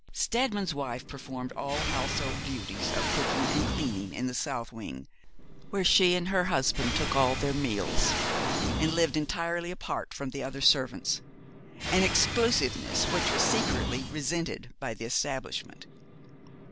Steadman's wife performed all household duties of cooking and cleaning in the south wing, where she and her husband took all their meals, and lived entirely apart from the other servants, an exclusiveness which was secretly resented by the establishment.